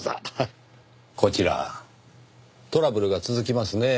こちらトラブルが続きますねぇ。